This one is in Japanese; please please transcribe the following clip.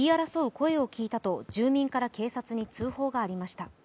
声を聞いたと住民から警察に通報がありました。